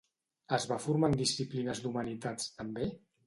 Es va formar en disciplines d'humanitats, també?